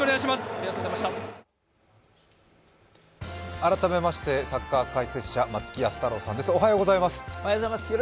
改めまして、サッカー解説者・松木安太郎さんです。